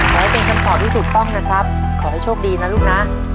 ขอให้เป็นคำตอบที่ถูกต้องนะครับขอให้โชคดีนะลูกนะ